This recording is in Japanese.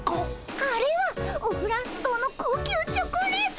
あれはオフランス堂の高級チョコレート！